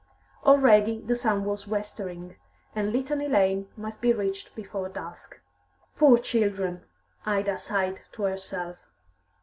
Already the sun was westering, and Litany Lane must be reached before dusk. "Poor children!" Ida sighed to herself.